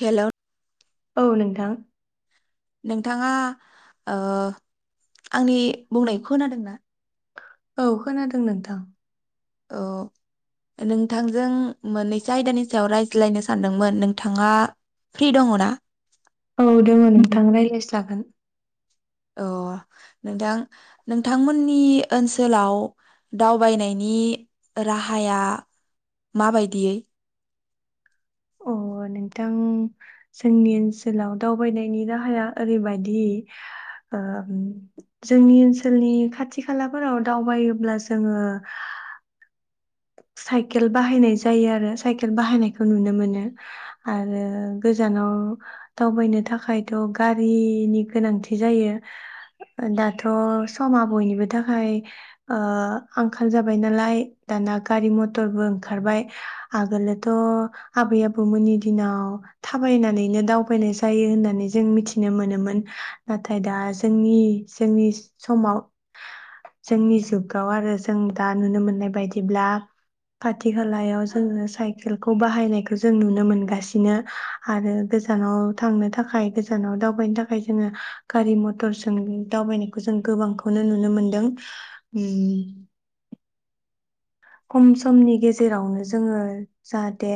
Hello औ नोंथां नोंथाङा ओ आंनि बुंनायखौ खोनादों ना? औ खोनादों नोंथां औ नोंथांजों मोननैसो आयदानि सायाव रायज्लायनो सानदों मोन नोंथाङा फ्रि दङ ना औ दङ नोंथां रायलायसागोन अ नोंथां नोंथांमोननि ओनसोलाव दावबायनायनि राहाया माबायदियै? अ नोंथां जोंनि ओनसोलाव दावबायनायनि राहाया ओरैबायदि जोंनि ओनसोलनि खाथि खालाफोराव दावबायोब्ला जोङो साइकेल बाहायनाय जायो आरो साइकेल बाहायनायखौ नुनो मोनो आरो गोजानाव दावबायनो थाखायथ' गारिनि गोनांथि जायो दाथ' समा बयनिबो थाखाय आंखाल जाबाय नालाय दाना गारि मथरबो ओंखारबाय आगोलोथ' आबै आबौमोननि दिनाव थाबायनानैनो दावबायनाय जायो होननानै जों मिथिनो मोनोमोन नाथाय दा जोंनि जोंनि समाव जोंनि जुगाव आरो जों दा नुनो मोननाय बायदिब्ला खाथि खालायाव जोङो साइकेलखौ बाहायनायखौ जों नुनो मोनगासिनो आरो गोजानाव थांनो थाखाय गोजानाव दावबायनो थाखाय जोङो गारि मटर सों दावबायनायखौ जों गोबांखौनो नुनो मोनदों उम खम समनि गेजेरावनो जोङो जाहाथे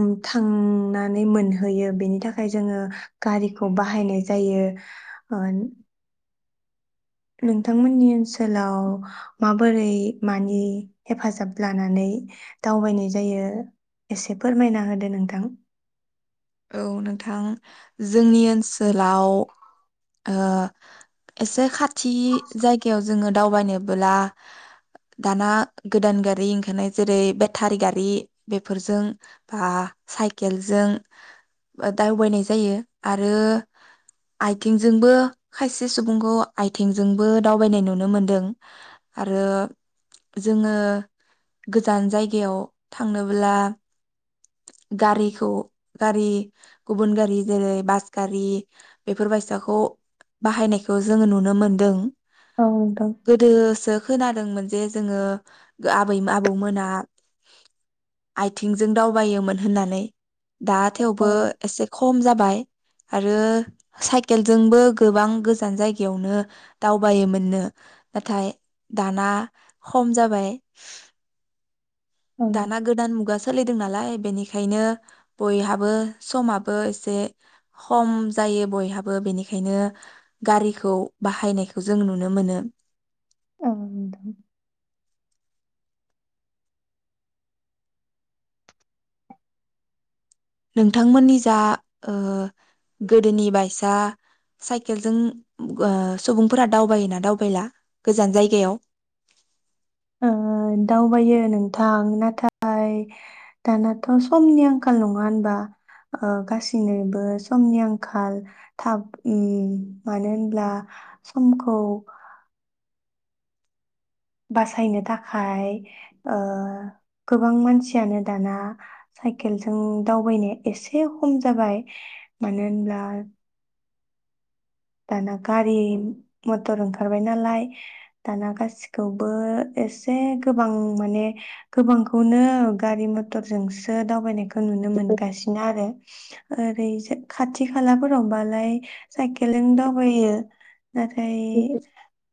उ थांनानै मोनहैयो बेनि थाखाय जोङो गारिखौ बाहायनाय जायो ओ नोंथांमोननि ओनसोलाव माबोरै मानि हेफाजाब लानानै दावबायनाय जायो एसे फोरमायना होदो नोंथां औ नोंथां औ जोंनि ओनसोलाव ओ एसे खाथ थि जायगायाव जोंङो दावबायनोबोला दाना गोदान गारि ओंखारनाय जेरै बेटारि गारि बेफोरजों बा साइकेलजों दावबायनाय जायो आरो आयथिंजोंबो खायसे सुबुंखौ आयथिंजोंबो दावबायनाय नुनो मोनदों आरो जोंङो गोजान जायगायाव थांनोब्ला गारिखौ गारि गुबुन गारि जेरै बास गारि बेफोर बायसाखौ बाहायनायखौ जोंङो नुनो मोनदों नोंथां गोदोसो खोनादोंमोन जे जोंङो आबै आबौमोना आयथिंजों दावबायोमोन होननानै दा औ थेवबो एसे खम जाबाय आरो साइकेलजोंबो गोबां गोजान जायगायावनो दावबायोमोननो नाथाय दाना खम जाबाय। औ दाना गोदान मुगा सोलि दों नालाय बेनिखायनो बयहाबो समाबो एसे खम जायो बयहाबो बेनिखायनो गारिखौ बाहायनायखौ जों नुनो मोनो। औ नोंथां नोंथांमोननि जा ओ गोदोनि बाइसा साइकेलजों सुबुंफोरा दावबायोना दावबायला गोजान जायगायाव ओ दावबायो नोंथां नाथ थाय दानाथ' समनि आंखाल नंङा होनबा ओ गाससिनोबो समनि आंखाल थाब उम मानो होनब्ला समखौ। बासायनो थाखाय ओ गोबां मानसियानो दाना साइकेलजों दावबायनाया एसे खम जाबाय मानो होनब्ला‌। दाना गारि मथर ओंखारबाय नालाय दाना गासिखौबो एसे गोबां माने गोबांखौनो गारि मथरजोंसो दावबायनायखौ नुनो मोनगासिनो आरो ओरैजा खाथि खालाफोरावबालाय साइके फेलें दावबायो। नाथाय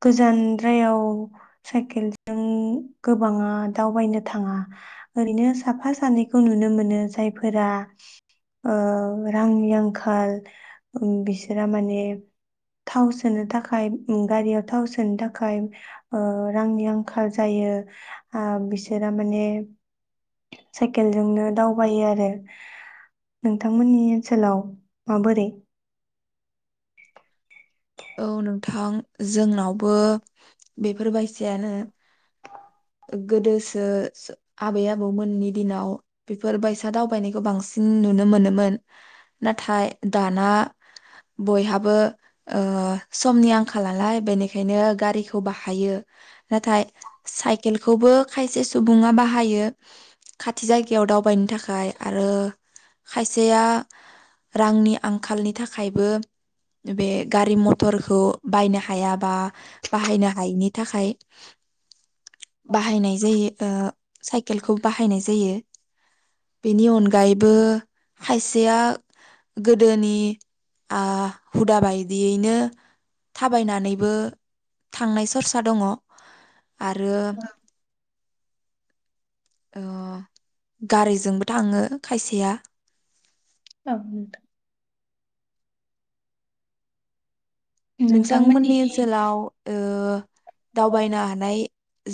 गोजानद्रायाव। साइकेलजों गोबांङा दावबायनो थांङा ओरैनो साफा सानैखौ नुनो मोनो जायफोरा ओ रांनि आंखाल बिसोरा माने। थाव सोनो थाखाय गारियाव थाव सोनो थाखाय ओ रांनि आंखाल जायो ओ बिसोरा माने साइकेलजोंनो दावबायो आरो नोंथांमोननि ओनसोलाव माबोरै। औ नोंथां जोंनावबो बेफोरबायायसायानो गोदोसो आबै आबौमोननि दिनाव बेफोर बायसा दावबायनायखौ बांसिन नुनो मोनोमोन नाथाय दाना बयहाबो। ओ समनि आंखालालाय बेनिखायनो गारिखौ बाहायो नाथाय साइकेलखौबो खायसे सुबुंङा बाहायो। खाथि जायगायाव दावबायनो थाखाय। आरो खायसेया रांनि आंखालनि थाखायबो बे। गारि मथरखौ बायनो हायाबा बाहायनो हायैनि थाखाय। बाहायनाय जायो ओ। साइकेलखौ बाहायनाय जायो। बेनि अनगायैबो। खायसेया गोदोनि आ हुदाबाय। इयैनो थाबायनानैबो थांनाय सरसा दंङ। आरो। औ गारिजोंबो थांङो खायसेया। औ नोंथां नोंथांमोननि नोंसांमोननि ओनसोलाव ओ दावबायनो हानाय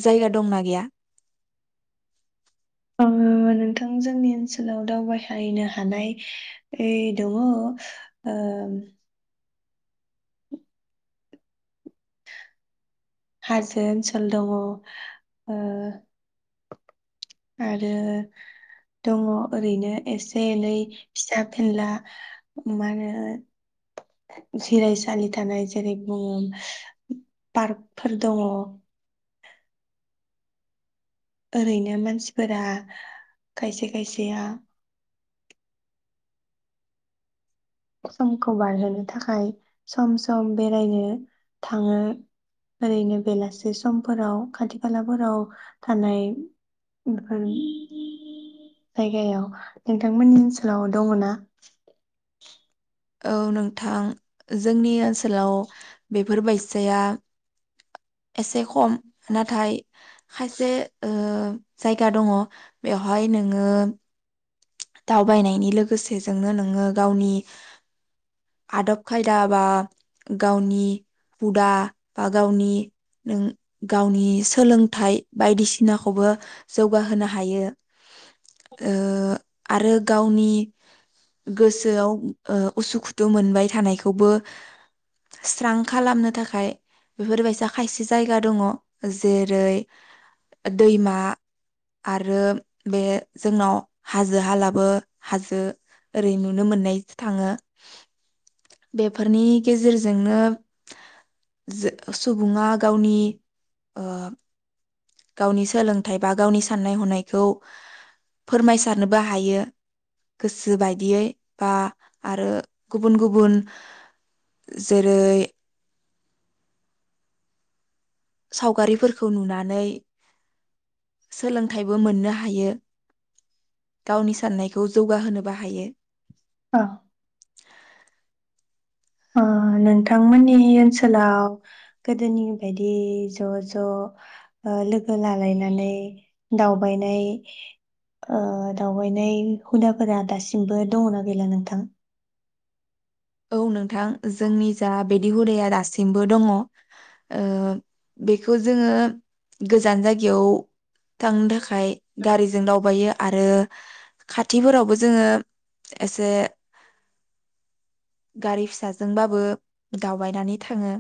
जायगा दंना गैया? औ नोंथां जोंनि ओनसोलाव दावबायहायैनो हानाय ओइ दोङो ओब हाजो ओनसोल दङ' ओ आरो दङ' ओरैनो एसे एनै फिसा फेनला मा होनो जिरायसालि थानाय जेरै बुङो पार्कफोर दङ'। ओरैनो मानसिफोरा खायसे खायसेया समखौ बारहोनो थाखाय सम सम बेरायनो थाङो ओरैनो बेलासि समफोराव खाथि खालाफोराव थानाय बेफोर जायगायाव नोंथांमोननि ओनसोलाव दङ'ना? [inaudible] औ नोंथां जोंनि ओनसोलाव बेफोरबायसाया एसे खम नाथाय खायसे ओ जायगा दङ' बेवहाय नोङो दावबायनायनि लोगोसेजोंनो नोङो गावनि आदब खायदा बा गावनि हुदा बा गावनि नों गावनिस सोलोंथाइ बायदिसि नाखौबो जौगाहोनो हायो ओ आरो गावनि गोसोआव ओ उसुखुथु मोनबाय थानायखौबो स्रां खालामनो थाखाय बेफोरबायसा खायसे जायगा दङ' जेरै दैमा आरो बे जोंनाव‌ हाजो हालाबो हाजो ओरै नुनो मोननाय थाङो बेफोरनि गेजेरजोंनो जो सुबुङा गावनि ओ गावनि सोलोंथाइ बा गावनि साननाय हनायखौ फोरमायस सारनोबो हायो गोसो बायदियै बा आरो गुबुन गुबुन जेरै सावगारिफोरखौ नुनानै‌ सोलोंथाइबो मोननो हायो गावनि साननायखौ जौगाहोनोबो हायो। औ। ओ नोंथांमोननि ओनसोलाव गोदोनि बायदि ज' ज' ओ लोगो लालायनानै दावबायनाय ओ दावबायनाय हुदाफोरा दासिमबो दङ'ना गैला नोंथां? औ नोंथां जोंनि जा बिदि हुदाया दासिमबो दङ ओ बेखौ जोङो गोजान जायगायाव थांनो थाखाय गारिजों दावबायो आरो खाथिफोरावबो जोङो एसे गारि फिसाजोंबाबो दावबायनानै थाङो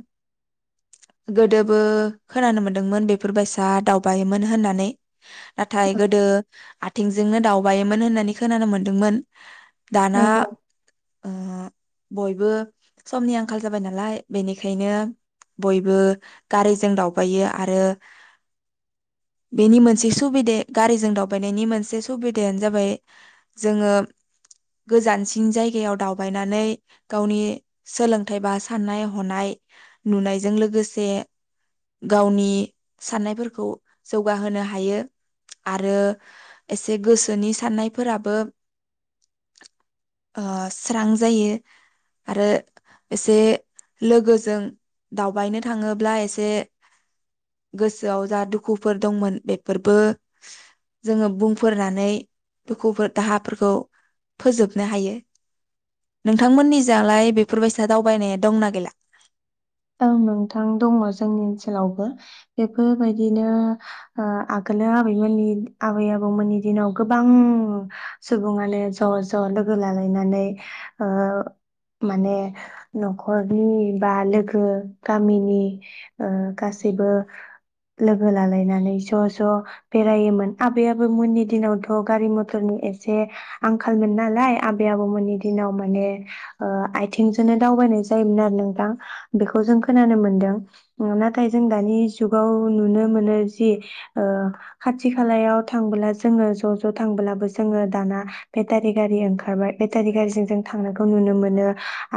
गोदोबो खोनानो मोनदोंमोन बेफोरबायसा दावबायोमोन होननानै। नाथाय औ गोदो आथिंजोंनो दावबायोमोन होननानै खोनानो मोनदोंमोन। दाना औ ओ बयबो समनि आंखाल जाबाय नालाय बेनिखायनो बयबो गारिजों दावबायो आरो बेनि मोनसे सुबिदे गारिजों दावबायनायनि मोनसे सुबिदायानो जाबाय जोङो गोजानसिन जायगायाव दावबायनानै गावनि सोलोंथाइ बा साननाय हनाय नुनायजों लोगोसे गावनि साननायफोरखौ जौगाहोनो हायो आरो एसे गोसोनि साननायफोराबो ओ स्रां जायो। आरो एसे लोगोजों दावबायनो थाङोब्ला एसे गोसोआव जा दुखुफोर दंमोन बेफोरबो जोङो बुंफोरनानै दुखुफोर दाहाफोरखौ फोजोबनो हायो। नोंथांमोननिजालाय बेफोरबायसा दावबायनाया दंना गैला? औ नोंथां दङ' जोंनि ओनसोलावबो बेफोरबायदिनो ओ आगोलो आबैमोननि आबै आबौमोननि दिनाव गोबां सुबुङानो ज' ज' लोगो लालायनानै ओ माने न'खरनि बा लोगो गो गामिनि ओ गासैबो लोगो लालायनानै ज' ज' बेरायोमोन आबै आबो मोननि दिनावथ' गारि मथरनि एसे आंखालमोन नालाय आबै आबो मोननि दिनाव माने ओ आथिंजोंनो दावबायनाय जायोमोन आरो नोंथां। बेखौ जों खोनानो मोनदों नाथाय जों दानि जुगाव नुनो मोनो जि ओ खाथि खालायाव थांबोला जोङो ज' ज' थांबोलाबो जोङो दाना बेटारि गारि ओंखारबाय बेटारि गारिजों जों थांनायखौ नुनो मोनो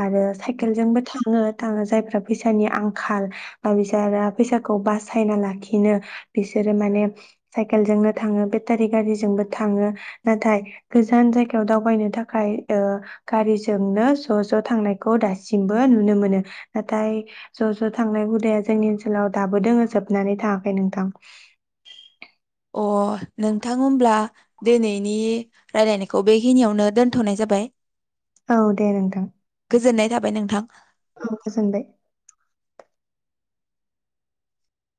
आरो साइकेलजोंबो थाङो थाङो जाय फैसानि आंखाल बा बिसा फैसाखौ बासायना लाखिनो बिसोरो माने साइकेलजोंनो थाङो बेटारि गारिजोंबो थाङो नाथाय गोजान जायगायाव दावबायनो थाखाय ओ गारिजोंनो ज' ज' थांनायखौ दासिमबो नुनो मोनो। नाथाय ज' ज' थांनाय हुदाया जोंनि ओनसोलाव दाबो दोङो जोबनानै थाङाखै नोंथां। अ नोंथां होनब्ला दिनैनि रायलायनायखौ बेखिनियावनो दोन्थ'नाय जाबाय। औ दे नोंथां। गोजोननाय थाबाय नोंथां। [unintelligible] गोजोनबाय।